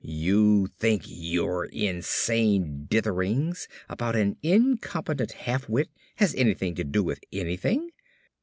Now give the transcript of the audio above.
You think your insane ditherings about an incompetent halfwit has anything to do with anything?